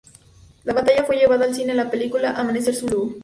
La batalla fue llevada al cine en la película "Amanecer zulú".